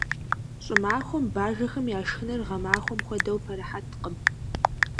ЩӀымахуэм бажэхэм я шхыныр гъэмахуэм хуэдэу пэрыхьэткъым.